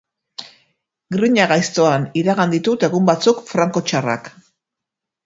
Grina gaiztoan iragan ditut egun batzuk franko txarrak.